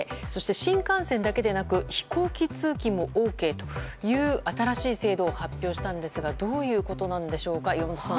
新幹線だけでなく飛行機通勤もＯＫという新しい制度を発表したんですがどういうことなんでしょう。